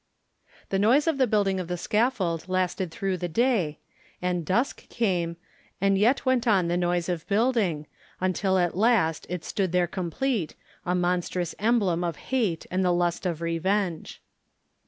The noise of the building of the scaffold lasted through the day, and dusk came, and yet went on the noise of building, until at last it stood there complete, a monstrous emblem of hate and the lust of revenge.